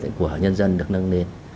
nông thôn mới của nhân dân được nâng lên